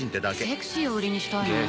セクシーを売りにしたいの？